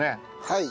はい。